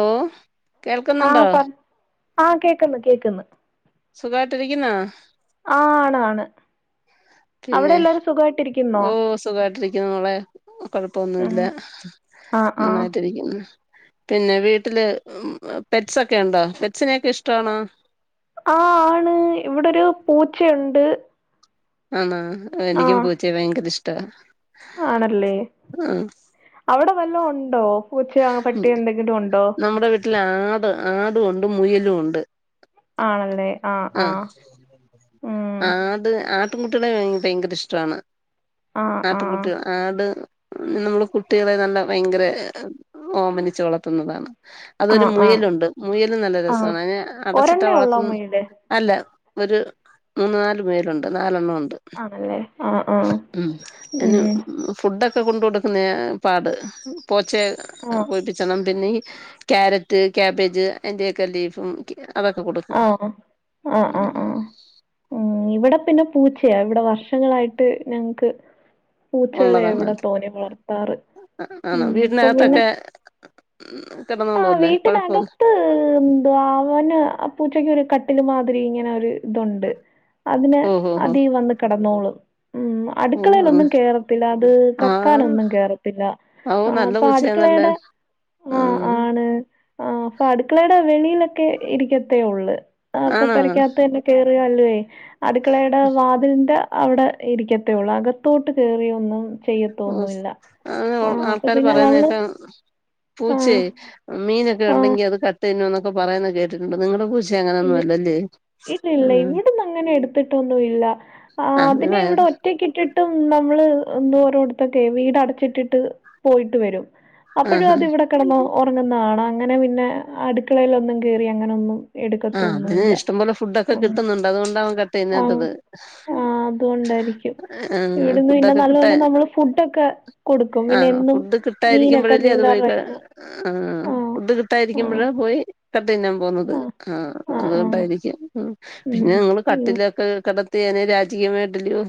Hello ആഹ് കേൾക്കുന്നുണ്ടോ? പറ ആഹ് കേക്ക്ന്ന്, കേക്ക്ന്ന്. സുഖായിട്ടിരിക്കുന്നോ? ആഹ് ആണാണ് അവിടെ എല്ലാരും സുഖായ് ഓഹ് സുഖായിട്ടിരിക്കുന്നു മോളെ കൊഴപ്പൊവുന്നുല്ല ഉം ആഹ് ആഹ് നന്നായിട്ടിരിക്കുന്നു പിന്നെ വീട്ടില് പെറ്റ്സൊക്കെയുണ്ടോ? പെറ്റ്സിനൊക്കെ ഇഷ്ട്ടവാണോ? ആഹ് ആണ് ഇവടൊരു പൂച്ചയുണ്ട് ആന്നോ എനിക്കും ആഹ് പൂച്ചയെ ഭയങ്കര ഇഷ്ടാ ആണല്ലേ ആ അവിടെ വല്ലവും ഉണ്ടോ പൂച്ചയോ ഇല്ല പട്ടിയോ എന്തെങ്കിലും ഉണ്ടോ നമ്മുടെ വീട്ടില് ആട് ആടു ഒണ്ട് മുയലു ഉണ്ട് ആണല്ലേ ആഹ് ആ ആഹ് ഉം ആട് ആട്ടുംകുട്ടികളെ ബയ് ഭയങ്കര ഇഷ്ട ആണ് ആഹ് ആട്ടും കു ആഹ് ട്ട് ആട് നമ്മള് കുട്ടികളെ നല്ല ഭയങ്കരെ ഓമനിച്ചു വളർത്തുന്നതാണ് അതൊരു ആഹ് ആഹ് മുയലുണ്ട് മുയലും നല്ല ആഹ് രസാണ് അയിനെ അടച്ചിട്ടാ ഒരെണ്ണേ ഒള്ളോ വളർത്ത്ന്ന് മുയല് അല്ല ഒര് മൂന്നാല് പേരുണ്ട് നാലെണ്ണം ഉണ്ട് ആണല്ലേ ആഹ് ആഹ് ഉം ഉം അയ്നു ഉം ഫുഡൊക്കെ കൊണ്ട് കൊടുക്കുന്നെയാ പാട് പോച്ചയെ ആഹ് പോയിപ്പി ച്ചണം പിന്നെ ഈ ക്യാരറ്റ് കാബേജ് അയ്ന്റെയെക്കെ ലീഫും ഒക്കെ അതൊക്കെ കൊടു ആഹ് ആഹ് ആഹ് ആഹ് ഉം ഇവടെ പിന്നെ പൂച്ചയാ ഇവിടെ വർഷങ്ങളായിട്ട് ഞങ്ങക്ക് പൂച്ചകളെ ഉള്ളതാണ് ഇവിടെ തോനെ വളർത്താറ് ആണോ ഉം ഇപ്പൊ പിന്നെ വീടിനകത്തൊക്കെ ആഹ് കിടന്നോളൂല്ലേ കുഴപ്പമില്ല വീട്ടിനകത്ത് ഇ ണ്ട് ആവന് പൂച്ചക്ക് ഒരു കട്ടില് മാതിരി ഇങ്ങനെ ഒര് ഇതൊണ്ട് അതിന് ഓഹോ ഹോ അതീ വന്ന് കെടന്നോളും ഓ അങ്ങനെ അട്ക്കളേലൊന്നും കേറത്തില്ല അത് കക്കാനൊന്നും കേറത്തില്ല ആവു ആഹ് നല്ല അപ്പൊ പൂച്ചയാന്നല്ലാ അടുക്കളയുടെ ആഹ് ഓഹ് അപ്പഅട്ക്കളേടെ വെളിയിലൊക്കെ ഇരിക്കത്തേ ഒള്ള് അഒക്കെ ആണോ പെരക്കാത്തന്നെ കേറിയാല്ലൊയ് അട്ക്കളേയ്ടെ വാതിൽന്റെ അവിടെ ഇരിക്കത്തേഒള്ള് അകത്തോട്ട് കേറിഒന്നും ഓസ് അങ്ങനെ പ്പൊആൾക്കാര് പിന്നെ പറയ്ന്ന് നമ്മള് കേക്കാം പൂച്ചേ ആഹ് മീനൊക്കെ ആഹ് ഉണ്ടെങ്കി അത് കട്ട് തിന്നുംന്നൊക്കെ പറയുന്ന് കേട്ടിട്ടുണ്ട് നിങ്ങടെ പൂച്ച അങ്ങനെഒന്നും അല്ലല്ലേ ഇല്ല ഇല്ല ഉം ഇവിട്ന്നങ്ങനെ എട്ത്തിട്ടൊന്നു ഇല്ല അപ്പ അത് അതിനെ ഇവടെ വേറെ ഒറ്റക്കിട്ട് ട്ടും നമ്മള് എന്ത് ഒരോട്ത്തൊക്കെയ് വീട് അടച്ചിട്ടിട്ട് പോയിട്ട് വെരും അപ്പഴും ആഹാ അത് ഇവ്ടെ കെടന്ന് ഒറങ്ങുന്നകാണാം അങ്ങനെ പിന്നെ അട്ക്കളയിലൊന്നും കേറി അങ്ങനെഒന്നും ആഹ് അതിന് ഇഷ്ടംപോലെ ഫുഡൊക്കെ കിട്ടുന്നുണ്ട് അതുകൊണ്ടാവും കട്ട് ആഹ് തിന്നാത്തത് ആഹ് അതുകൊണ്ടായിരിക്കും ഇവിടുന്ന് പിന്നെ ഫുഡൊക്കെ നല്ല കിട്ടാ നല്ല നമ്മള് ഫുഡൊക്കെ കൊടുക്കും ആ പിന്നെ എന്നും മീനൊക്കെ മീൻകാർടെകയ്യിന്ന് ആഹ് ഫുഡ് കിട്ടായിരിക്കുമ്പഴാ പോയി കട്ട് തിന്നാൻ പോവുന്നത് ആഹ് അതുകൊണ്ടായിരിക്കും ഉം പിന്നെ നിങ്ങള് കട്ടിൽലൊക്കെ കെട ത്തി അയ്നെ രാജകീയമായിട്ടല്ല്യോ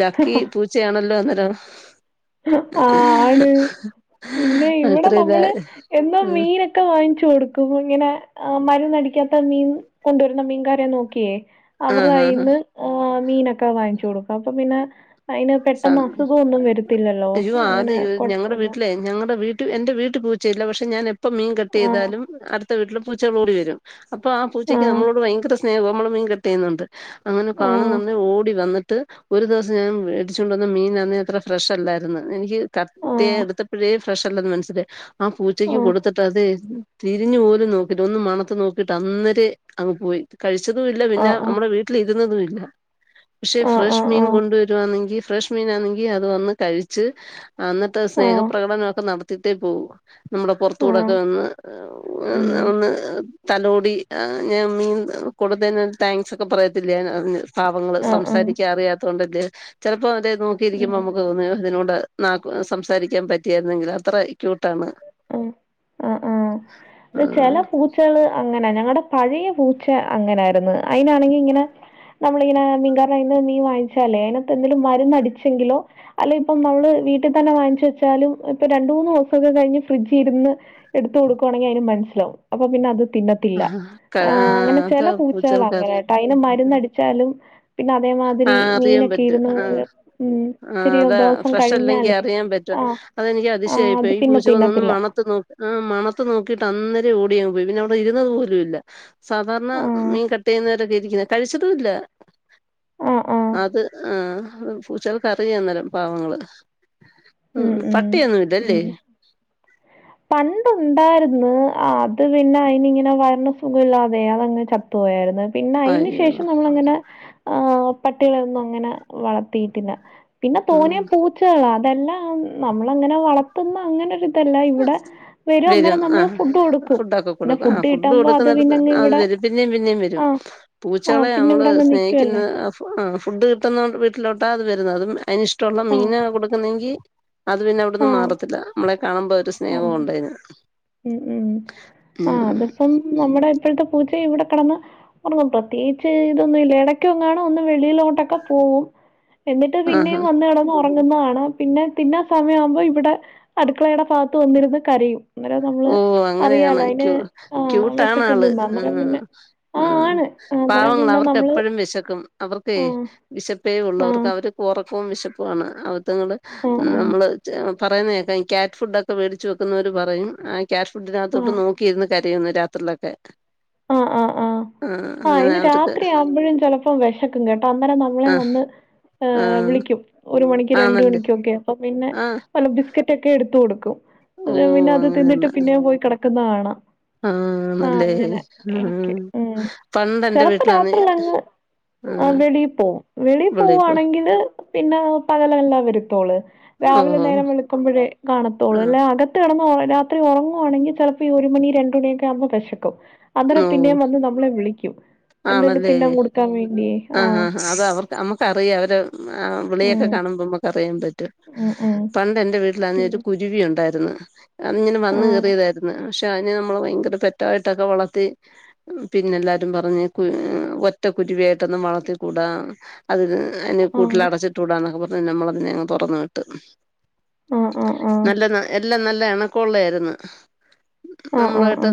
ലക്കി പൂച്ചയാണല്ലോ അന്നേരം ഇഹ് ആണ് പിന്നെ ഇവടെ അത്രയും നമ്മള് എന്താ മീനൊ ക്കെ വാങ്ങിച്ചു കൊടുക്കും ഇങ്ങനെ മരുന്നടിക്കാത്ത മീൻ കൊണ്ടുവരുന്ന മീൻകാരെ നോക്കിയേ ആ അവര്ടെ ആ കയ്യിന്ന് ഏഹ് മീനൊക്കെ വാങ്ങിച്ചു കൊടുക്കും അപ്പൊ പിന്നെ അയ്ന് പെട്ടന്ന് ആ അസുഖം ഒന്നും വരു അയ്യോ ആ ദി ഇവ് ഞങ്ങടെ വീട്ടിലെ ഞങ്ങടെ വീട്ട് എന്റെ വീട്ടി പൂച്ചയില്ല പക്ഷെ ഞാനെപ്പം മീൻ കട്ട് ആ ചെയ്താലും അടുത്ത വീട്ടിലെ പൂച്ചകൾ ഓടി വെരും അപ്പൊ ആ പൂച്ചയ്ക്ക് നമ്മളോട് ഭയങ്കര സ്നേഹാ നമ്മള് മീൻ കട്ട് ചെയ്യുന്നോണ്ട് അങ്ങനെ ആ കാണ്ന്നന്ന് ഓടി വന്നിട്ട് ഒരു ദെവസം ഞാൻ വേടി ച്ചോണ്ട് വന്ന മീനന്ന് അത്ര ഫ്രഷ് അല്ലാര്ന്ന് എനിക്ക് ആ ആ കട്ട്യ്ത്യെടുത്തപ്പഴേ ഫ്രഷല്ലന്ന് മൻസ്സിലായി ആ പൂച്ചക്ക് കൊടുത്തിട്ട് അതെയ് തിരിഞ്ഞു പോലും നോക്കില്ല ഒന്ന് മണത്ത് നോക്കിട്ട് അന്നേരെ അങ്ങ് പോയി കഴിച്ചതും ഇല്ല ആ ആ പിന്നെ നമ്മടെ വീ ട്ടിലിരുന്നതു ഇല്ല പക്ഷെ ആ ആ ഫ്രഷ് ആ മീൻ കൊണ്ടുവരുവാന്നെങ്കി ഫ്രഷ് മീനാണെങ്കി അത് വന്ന് കഴിച്ച് അന്ന്ട്ട് ആ ആ സ്നേഹപ്രകടനൊക്കെ നടത്തിട്ടേ പോകൂ. നമ്മുടെ പൊർത്തുടൊക്കെ വന്ന് ഉം ഒന്ന് തലോടി ഞാൻ മീൻ കൊടുത്തേന് താങ്ക്സ് ഒക്കെ പറയത്തില്യെ ഞാ... പാവങ്ങള്. ആ ആ സംസാരിക്കാൻ അറിയാത്തോണ്ടല്ലെ. ചെലപ്പൊ അവര് നോക്കിയിരിക്കുമ്പൊ ഉം അമ്മക്ക് തോന്നും അതിനോട് നാക്ക് സംസാരിക്കാൻ പറ്റിയരുന്നെങ്കില് അത്ര ക്യൂട്ടാണ്. ആഹ്. അഹ് ആഹ്. ത് ചെല പൂ ച്ചകള് അങ്ങനെ. ഞങ്ങടെ പഴയ പൂച്ച അങ്ങനായിരുന്ന്. അയിനാണെങ്കി ഇങ്ങനെ നമ്മളിങ്ങനെ മീൻകാരെ കൈയ്യിന്ന് മീൻ വാങ്ങിച്ചാലേ അയിനാത്ത് എന്തേലും മര്ന്നടിച്ചെങ്കിലൊ അല്ല ഇപ്പം നമ്മള് വീട്ടി തന്നെ വാങ്ങി ചെച്ചാലും ഇപ്പൊ രണ്ട്, മൂന്ന് ദൂസൊക്കെ കഴിഞ് ഫ്രിഡ്ജ് ഇര്ന്ന് എട്ത്ത് കൊടുക്കുവാണെങ്കി അയിന് മൻസ്സിലാവും. അപ്പൊ പിന്നെ അത് തിന്ന.... ത്തില്ല. ആ ആഹ് അങ്ങനെ അത് ചെല പൂച്ചകള് പൂച്ചകൾക്ക് അങ്ങനേ ട്ടൊ. അയിന് മര്ന്നടിച്ചാലും പിന്നെ അതേമാതിരി അറിയാൻ മീനൊക്കെ പറ്റും ഇര്ന്ന് ആ ഉം ആ ച്ചിരി അതാ ദൊവസം ഫ്രഷ് അല്ലെങ്കി കഴിഞ്ഞാലേ അറിയാൻ പറ്റുവ ആഹ് അതെനിക്ക് ആഹ് അത് അതിശയായിപ്പോയി. ഈ പിന്നെ പൂച്ചകളൊന്നും ഒന്നും തിന്നത്തില്ല മണത്തു നോ.... ഉം മണത്ത് നോക്കിയിട്ട് അന്നേരെ ഓടിയങ്ങ് പോയി. പിന്നെ അവ്ടെ ഇര്ന്നത് പോലും ഇല്ല. സാധാരണ ആഹ് മീൻ കട്ട് ചെയ്യുന്നൊരു രീതിക്ക് ക്കെ കഴിച്ചതൂല്ല. ആഹ് ആഹ് അത് ആഹ് പൂച്ചൾ ക്കറിയാം ന്നേരം പാവങ്ങള് ഉം ഉം പട്ടിയൊന്നും ഇല്ല ഉം അല്ലെ? പണ്ടുണ്ടായിരുന്നു ആഹ് അത് പിന്നെ അയ്നി ഇങ്ങനെ വയർന് സുഖല്ലാതെ അതെങ് ച.... ത്ത്പോയായിര്ന്ന്. പിന്നെ അയിന് അയ്യോ ശേഷം നമ്മള് അങ്ങനെ ആഹ് പട്ടികളെ ഒന്നും അങ്ങനെ വളർത്തിയിട്ടില്ല. പിന്നെ ഉം തോനേം പൂച്ചകളാ അതെല്ലാം നമ്മളങ്ങനെ വളർത്തുന്ന അങ്ങനെ ഒര് തല്ല. ഇവ്ടെ വരും അന്നേരം നമ്മള് ഫുഡ് കൊടുക്കും. ഫുഡൊക്കെ പിന്നെ ഫുഡ് കിട്ട മ്പൊ അത് പിന്നെങ് ഇവ്ടെ പിന്നേയും, പിന്നേയും വരും. പൂച്ചകളെ പിന്നെ അമ്മള് ഇവിടങ്ങ് സ്നേഹിക്കുന്ന നിക്കുവല്ലേ ആഹ് ഫുഡ് കിട്ടുന്നോണ്ട് വീട്ടിലോട്ടാ അത് വരുന്നത്. അതും അയിനിഷ്ടൊള്ള ആഹ് മീനാ കൊട്ക്ക്ന്നെങ്കി അത് പിന്നെ അവ്‌ട്ന്ന് ആഹ് മാറത്തില്ല. നമ്മളെ കാണുമ്പൊ അത് ആഹ് ഉം ഉം ആഹ് അത്പ്പം നമ്മടെ ഇപ്പഴത്തെ പൂച്ച ഇവ്ടെ കടന്ന് [unintelligible] പ്രത്യേയിച്ച് ഇതൊന്നും ഇല്ല. എടയ്ക്കെങ്ങാണും ഒന്ന് വെളിയിലോട്ടൊക്കെ പോവും. എന്നിട്ട് ആഹാ പിന്നേയും വന്ന് ഇവ്ടന്ന് ഒറങ്ങുന്നത് കാണാം. പിന്നെ, പിന്നെ സമയാവുമ്പൊ ഇവ്ടെ അട്ക്ക ളേയുടെ ഭാഗത്ത് വന്നിരുന്ന് കരയും. അന്നേരം നമ്മള് ഓഹ് അങ്ങനെയാണ്. അറിയാലോ അതിന് ക്യൂ ആഹ് ക്യൂട്ടാണ് ആള്. വിശക്കുന്നുന്ന് അന്നേരം ആഹ് പിന്നെ ആഹ് ഉം ആണ് അന്നേരം പാവങ്ങളാ. പിന്നെ നമ്മള് അവർക്കെപ്പഴും വിശക്കും. അവർക്കെ ആഹ് വിശപ്പേ ഉള്ളവർക്ക് ആഹ് അവര് ഒറക്കവും വിശപ്പു ആണ്. അവറ്റങ്ങള് ആഹ് ആഹ് നമ്മള് ച്ചെ പറയുന്നേക്കാം ഈ ക്യാറ്റ് ഫുഡ് ഒക്കെ വേടിച്ച് വെക്കുന്നവര് പറയും ആ ക്യാറ്റ് ഫുഡിനകത്തോട്ട് ആഹ് നോക്കിയിര്ന്ന് ക.... രയുംന്ന് രാത്രിയിലൊക്കെ ആഹ് ആഹ് ആഹ് ആഹ് അങ്ങനെ ഇനി അവർക്ക് രാത്രിയാവ്മ്പൊഴും ചെലപ്പം വെശക്കും കെട്ടൊ. അന്നേരം ആ നമ്മളെ വന്ന് ഏഹ്‌ ആഹ് വിളിക്കും. ഒര് മണിക്ക് രണ്ട് ആണല്ലേ മണിക്കൊക്കെ അപ്പൊ പിന്നെ ആഹ് പല ബിസ്ക്കറ്റ് ഒക്കെ എടുത്ത് കൊടുക്കും. ഓ അത് പിന്നെ അത് തിന്നിട്ട് അങ്ങനെയെന്നാ പിന്നേയും പോയി കെടക്കുന്ന കാണാം. ആഹ് ആണല്ലേ. അങ്ങനെ ഉം ഉം എടക്ക് പണ്ടന്റെ ചെലപ്പോ വീട്ട്ലന്ന് രാത്രിയിലങ്ങ് ആഹ് വെളീ പോവും. വെളീ പോവാണെങ്കില് പിന്നെ പകലെല്ലാം വരുത്തോള്. ഓ രാവിലെ നേരം വെള്ക്കുമ്പൊഴെ കാണത്തോളു. ആഹ് അല്ലാ അക.... ത്ത് കെടന്ന് ഒറ രാത്രി ഒറങ്ങുവാണെങ്കി ചെലപ്പൊ ഈ ഒരു മണി രണ്ട് മണിയൊക്കെ ആവുമ്പൊ വെശക്കും. ഓഹ് എന്തേലും ആണല്ലേ. തിന്നാൻ കൊടുക്കാൻ വേണ്ടിയേ ആഹ് ആഹ് അതാ അവർ... അമ്മക്കറിയാം അവര് ഉം ആഹ്, വിളിയൊക്കെ ഉം കാണുമ്പംമ്മക്ക് അറിയാൻ പറ്റും ഉം ഉം പണ്ട് എന്റെ വീട്ടിലാന്ന് ഉം യാർച്ച് കുര് രുവി എന്തായതെന്ന് അങ്ങനെ വന്ന് ആഹ് കേറിയതായിര്ന്ന് പക്ഷെ അയ്ന് നമ്മളെ ഭയങ്കര പെറ്റായിട്ടൊക്കെ വളർത്തി ത്തി ഉം പിന്നെല്ലാരും പറഞ്ഞ് കു ഒറ്റ കുരുവിയായിട്ടൊന്നും വളർത്തിക്കൂടാ അതിന് അതിനെ ആഹ് കൂട്ടിലടച്ചിട്ടൂടന്നൊക്കെ പറഞ്ഞ് നമ്മളതിനെ അങ്ങ് തൊറന്ന് വിട്ട്. ആഹ് ആഹ് നല്ല ആഹ് ന എല്ലാം നല്ല എണക്കൊള്ളായിര്ന്ന്. ആഹ് നമ്മളു ആഹ് ആഹ് ആയിട്ട്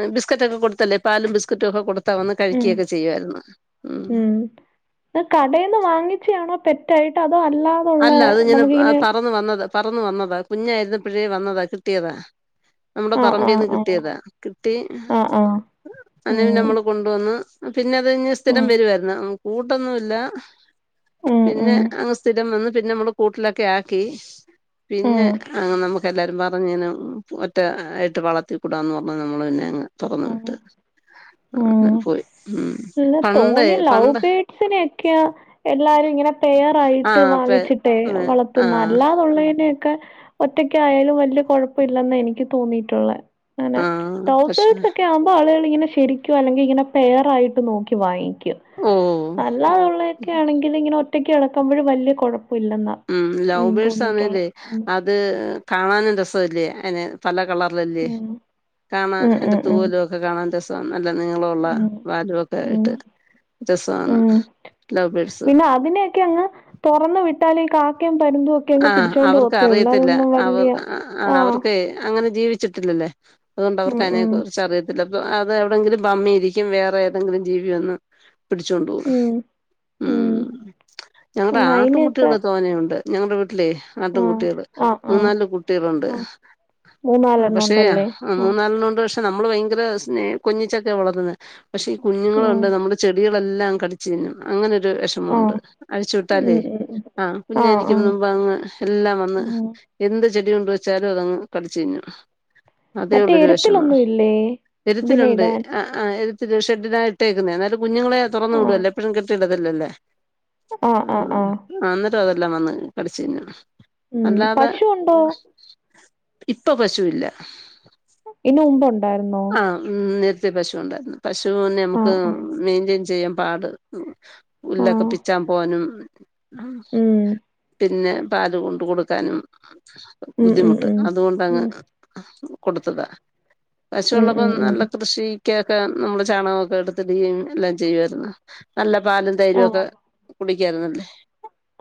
ഉം ബിസ്ക്കറ്റക്കെ കൊടുത്തല്ലേ പാലും ബിസ്ക്കറ്റും ഒക്കെ കൊടുത്താ വന്ന് ഉം കഴിക്കിയൊക്കെ ചെയ്യുവായിര്ന്ന്. ഉം ഹ് കടേന്ന് വാങ്ങിച്ചെയാണോ പെറ്റായിട്ട് അതോ അല്ലാ അല്ല അത് ഇങ്ങനെ ആ പറന്നു വന്നത പറന്നു വന്നതാ, കുഞ്ഞായിരുന്നപ്പഴേ വന്നതാ, കിട്ടിയതാ നമ്മുടെ ആഹ് ആഹ് പറമ്പിന്ന് ആഹ് കിട്ടിയതാ. കിട്ടി ആഹ് ആഹ് അന്ന് പിന്നെ ഉം അമ്മള് കൊണ്ടുവന്ന് പിന്നെ അത് ഞ്ഞ് സ് ഉം സ്ഥിരം വരുവാര്ന്ന്. കൂടൊന്നുംല്ല, ഉം പിന്നെ ഉം അങ്ങ് സ്ഥി വന്ന് പിന്നെ അമ്മള് കൂട്ടിലൊക്കെ ആക്കി പിന്നെ ഉം അങ്ങ് നമുക്കെല്ലാരും പറഞ്ഞെന്നെ ഒറ്റ ആയിട്ട് വളർത്തിക്കൂടാന്ന് പർഞ്ഞാ നമ്മള് പിന്നെ അങ്ങ് തുറന്ന ഉം വിട്ട് ഉം അങ്ങനെ ഫോയി. ഉം പണ്ടേ പണ്ട് ത്തിനെക്ക്യാ എല്ലാരും ഇങ്ങനെ ആ പെയറായിട്ട് പെ വാങ്ങിച്ചിട്ടേ ആ വളർത്തുന്ന അല്ലാതുള്ളയ്നെയൊക്കെ ഒറ്റക്കായാലും വലിയ കുഴപ്പവില്ലെന്ന് എനിക്ക് തോന്നിയിട്ടുള്ളെ. അങ്ങനെ ആ ഡൗ പക്ഷെ ങ്ങനാവുമ്പൊ ആളുകള് ഇങ്ങനെ ശരിക്കും അല്ലെങ്കിങ്ങനെ പെയർ ആയിട്ട് നോക്കി വാങ്ങിക്കും ഓ നല്ലാന്നുള്ളെക്കെ ആണെങ്കില് ഇങ്ങനെ ഒറ്റയ്ക്ക് കളക്കുമ്പൊഴും വല്ല്യ കൊഴപ്പ ഇല്ലെന്നാ ഉം, ലൗബേട്സ് ആന്നല്ലേ അത് കാണാനും രസവല്ലേ അയ്നെ പല കളറിലല്ലേ ഉം കാണാൻ ഉം എന്റെ ഉം ഉം തൂവലൊക്കെ കാണാൻ രസ നല്ല നീളഉള്ള ഉം വാലുവൊക്കെ ഉം ആയിട്ട് രസവാണ് ലൗ പേഴ്സ് ഇല്ല അതിൻ്റെയൊക്കെയങ്ങ് തൊറന്ന് വിട്ടാല് ഈ കാക്കയും പരുന്തു ഒ ആഹ്, അവർക്ക് അറിയത്തില്ല അവർ അ അ ആഹ് അവർക്ക് അങ്ങനെ ജീവി ച്ചിട്ടില്ലല്ലേ അതുകൊണ്ട് അവർക്ക് ഉം അയ്നെ ഉം കുറിച്ച് അറിയ ചിലപ്പൊ അത് എവിടെങ്കിലും പമ്മിയിരിക്കും വേറെ ഏതെങ്കിലും ജീവി വന്ന് പിടിച്ചോണ്ട് പോവും. ഉം ഉം, ഞങ്ങടെ ഒന്ന് അയിനെയൊക്കെ ആട്ടുംകുട്ടികള് തോനെയുണ്ട്. ഞങ്ങടെ വീട്ടിലേ ആട്ടും ആഹ് കുട്ടികള് ആഹ് ആഹ് മൂന്നാല് കുട്ടികളുണ്ട്. ആഹ് മൂന്നാലെണ്ണം പക്ഷേ ഉണ്ടല്ലേ ആഹ്, മൂന്നാലെണ്ണ ഉണ്ട് പക്ഷെ നമ്മള് ഭയങ്കര സ്നേ കൊഞ്ഞിച്ചൊക്കെ വളർത്തുന്നെ പക്ഷെ ഈ ഉം കുഞ്ഞുങ്ങളുണ്ടല്ലോ നമ്മള് ചെടികളെല്ലാങ്ങ് കടിച്ച് തിന്നും അങ്ങനൊര് വെഷ് മുണ്ട് ആഹ് അഴിച്ചു ഉം വിട്ടാലേ ഉം ഉം ആഹ് കുഞ്ഞാരിക്കും മുമ്പങ്ങ് എല്ലാം വന്ന് ഉം എന്ത് ചെടി കൊണ്ട് വെച്ചാലും അതങ്ങ് കടിച്ചു തിന്നും. അതേ മറ്റേ ഉള്ളൊരു വെഷമം. എരുത്തിലൊന്നും ഇല്ലേ ഇതിനെ എരുത്തിലുണ്ട് ഇടാൻ ആഹ് ആഹ് എര്ത്തിട്ടരു ഷെഡിനായി ഇട്ടേക്കുന്നെ എന്നാലും കുഞ്ഞുങ്ങളെ തുറന്നു ആഹ് വിടുവല്ലോ എപ്പഴും കെട്ടിയിടലല്ലല്ലേ ആഹ് ആഹ് ആഹാ ആഹ് ആഹ്എന്നട്ടും അതെല്ലാം വന്ന് കടിച്ചു തിന്നും ഉം അല്ലാതെ പശു ഉണ്ടോ ഇപ്പൊ പശുവില്ല. ഈൻ്റെ മുമ്പ് ഉണ്ടായിരുന്നോ? ഉം, നേര്ത്തെ പശു ഉണ്ടായിരുന്നു. പശൂനെ അമുക്ക് ആഹ് ആഹ് മെയിൻറ്റെയ്ൻ ചെയ്യാൻ പാട് ഉ ഉല്ലൊക്കെ ആഹ് പിച്ചാൻ പോവാനും ഉം പിന്നെ പാല് കൊണ്ട് കൊടുക്കാനും ഉം ഉം ബുദ്ധിമുട്ട് ഉം അതുകൊണ്ടങ്ങ് ഉം കൊടുത്തതാ, ഉം ഉം പശുവുള്ളപ്പം ഉം നല്ല കൃഷി കേക്കാം നമ്മള് ചാണകൊക്കെ എടുത്തിടുകയും എല്ലാം ചെയ്യുമായിരുന്നു നല്ല പാലും തൈരും ഒക്കെ ആഹ് കുടിക്കാന്നല്ലേ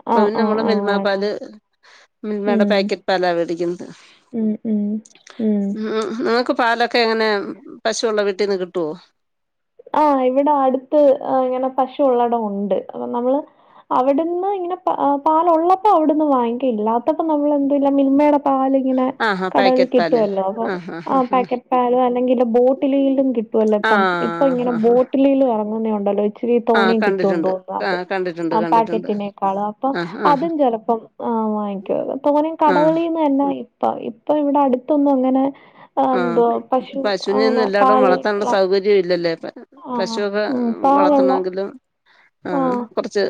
അപ്പോ ആഹ് പിന്നെ ആഹ് നമ്മള് ആഹ് മ പാല് ആളാണ് മിൽമയുടെ ഉം പാക്കറ്റ് പാലാ മേടിക്കുന്നത്. ഉം ഉം ഉം നിങ്ങക്ക് പാലൊക്കെ എങ്ങനെ പശുവുള്ള വീട്ടിന്ന് കിട്ടോ? ആ ഇവിടെ അടുത്ത് ഹ് ഇങ്ങനെ പശു ഉള്ളടം ഉണ്ട് അപ്പൊ നമ്മള് അവിടുന്ന് ഇങ്ങനെ പ ആ പാലള്ളപ്പോ അവിടുന്ന് വാങ്ങിക്ക ഇല്ലാത്തപ്പോ നമ്മൾ എന്തല്ല മിൽമയുടെ പാല്ങ്ങനെ ആഹാ കടകളി പാക്കറ്റ് പാല് കിട്ടുവല്ലോ അപ്പൊ ആഹ് ആഹ് ആ ആഹ് പാക്കറ്റ് പാല് അല്ലെങ്കില് ബോട്ടിലിലും കിട്ടുവല്ലോ ഇപ്പം ഇ ആഹ് ആഹ് ട്ടിലിൽ ഒറങ്ങുന്നേ ഉണ്ടല്ലോ ഇച്ചിരി ആഹ് തോനിം കിട്ടും കണ്ടിട്ടുണ്ട് [unintelligible] അത് ആഹ് കണ്ടിട്ടുണ്ട് ആ കണ്ടിട്ടുണ്ട് പാക്കെറ്റിനേക്കാളും അപ്പൊ ആഹ് ആഹ് അതും ചെലപ്പം ആഹ് വാങ്ങിക്കും തോനിം ആഹ് കടകളീന്നന്നെ ഇ പ്പ ഇപ്പൊ ഇവടെ അടുത്തൊന്നും അങ്ങനെ ഹ് എന്തോ ആഹ് പശു അങ്ങനെ പശുവിനെയൊന്നും എല്ലായിടവും പാല് വളർത്താനുള്ള എ സൗകര്യം ഇല്ലല്ലേ പ പശുനെ പാലുള്ള വളർത്തണങ്കിലും ആഹ് കൊറച്ച്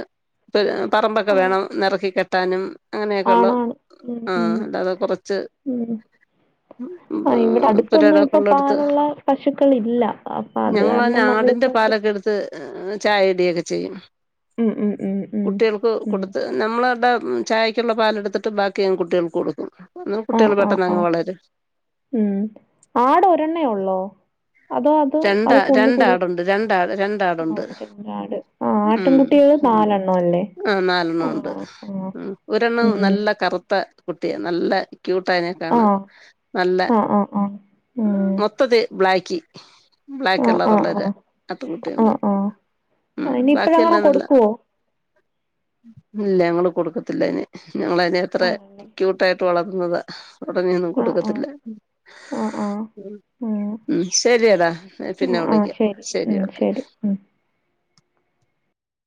ഇപ്പ പറമ്പൊക്കെ ആഹ് വേണം എറക്കി കെട്ടാനും അങ്ങനെയക്കെള്ള് ആണാണ് ഉം ഉം ആഹ് അല്ലാതെ കൊറച്ച് ഉം ഉം ആ ഇവിടെ അടുത്തൊന്നും ഇപ്പൊ പാലുള്ള പശുക്കൾ ഇല്ല അപ്പ അത് കാരണം നമ്മളിപ്പോ ഇത് ഹേ ചായ ഇടിയക്കെ ചെയ്യും ഉം ഉം ഉം ഉം കുട്ടിയേൾക്ക് ഉം കൊടുത്ത് നമ്മള അതാ ചായയ്ക്കുള്ള പാല് എടുത്തിട്ട് ബാക്കി കുട്ടിയൾക്ക് കൊടുക്കും. [unintelligible] ആഹ് കുട്ട്യള് ആഹ് പെട്ടെന്ന് അങ്ങ് ആഹ് വളരും. ഉം ആട് ഒരണ്ണേ ഒള്ളോ? അതോ അതോ രണ്ടാ അത് കൊന്നിക്കൂടു രണ്ടാടുണ്ട് രണ്ടാ രണ്ടാടുണ്ട് [unintelligible] ആട് ആഹ് ആട്ടിൻ ഉം കുട്ടിയള് നാലെണ്ണം അല്ലേ? ആ നാലെണ്ണം ഉണ്ട് ആഹ് ആഹ് ഉം ഒരെണ്ണം ഉം നല്ല കറുത്ത കുട്ടിയാ നല്ല ക്യൂട്ടായ്നെ കാണാൻ ആഹ് നല്ല ആഹ് ആഹ് ആഹ് ഉം മൊത്തത്തി ബ്ലാക്കി ബ്ലാക്ക് ആഹ് കളർ ആഹ് ഉള്ളേരാ ആഹ് അത്ര കുട്ടിയള്ണ്ട് ആഹ് ആഹ് ഉം അയിന് ബാക്കി ഇപ്പഴങ്ങനെ എല്ലാം നല്ല കൊടുക്കുവോ ഇല്ല ഞങ്ങള് കൊടുക്കത്തില്ല അയ്നേ ഞങ്ങളതിനേ അത്രേ ആണല്ലേ ക്യൂ ട്ടായിട്ട് വളർത്തുന്നത് ഉടനേയൊന്നും ആഹ് ആഹ് കൊടുക്കത്തില്ല ആഹ് ആഹ് ഉം ഉം ശരിയെടാ ഉം പിന്നെ ആഹ് വിളിക്കാം ശരി ഉം ഓക്കെ ശരി ഉം